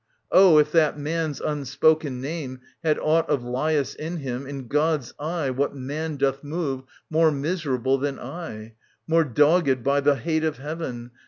Oh, if that man's unspoken name Had aught of Laius in him, in God's eve What man doth move more miserable than I, More dogged by the hate of heaven